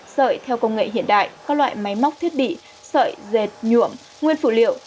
sợi theo công nghệ hiện đại các loại máy móc thiết bị sợi dệt nhuộm nguyên phụ liệu